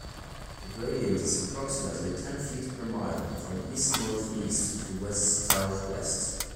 The gradient is approximately ten feet per mile, from east-northeast to west-southwest.